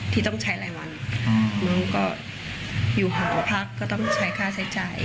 ที่ต้องใช้รายวันหนูก็อยู่หอพักก็ต้องใช้ค่าใช้จ่าย